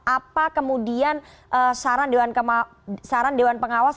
apa kemudian saran dewan pengawas